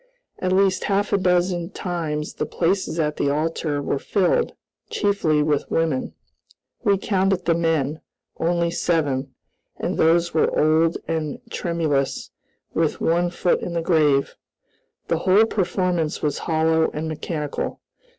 At least half a dozen times the places at the altar were filled chiefly with women. We counted the men, only seven, and those were old and tremulous, with one foot in the grave. The whole performance was hollow and mechanical.